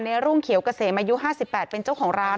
ในร่วงเขียวกระเสมอายุ๕๘เป็นเจ้าของร้าน